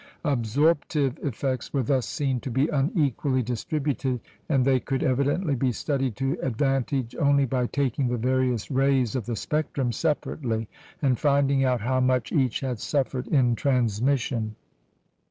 Absorptive effects were thus seen to be unequally distributed; and they could evidently be studied to advantage only by taking the various rays of the spectrum separately, and finding out how much each had suffered in transmission.